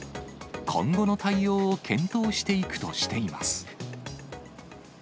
今後の対応を検討していくとしています。